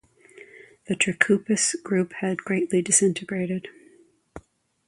The Trikoupis Group had greatly disintegrated.